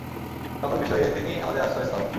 সকল বিষয়ে তিনিই আমাদের আশ্রয় স্থল।